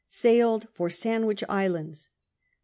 Sailed for Sandwich Islands.